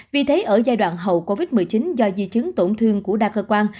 vì thế ở giai đoạn hậu covid một mươi chín do di chứng tổn thương của đa cơ quan